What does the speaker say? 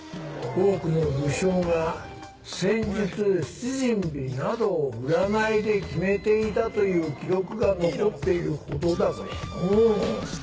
多くの武将が戦術出陣日などを占いで決めていたという記録が残っているほどだからのう。